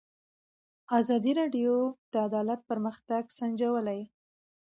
ازادي راډیو د عدالت پرمختګ سنجولی.